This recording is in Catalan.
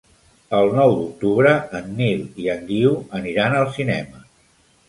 El nou d'octubre en Nil i en Guiu aniran al cinema.